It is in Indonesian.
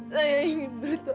saya ingin bertobat